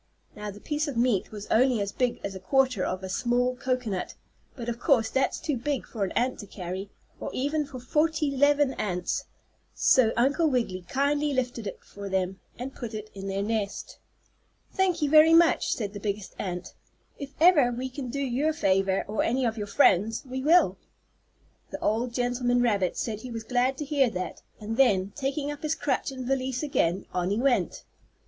Now the piece of meat was only as big as a quarter of a small cocoanut, but, of course, that's too big for an ant to carry; or even for forty 'leven ants, so Uncle Wiggily kindly lifted it for them, and put it in their nest. "Thank you very much," said the biggest ant. "If ever we can do you a favor, or any of your friends, we will." The old gentleman rabbit said he was glad to hear that, and then, taking up his crutch and valise again, on he went.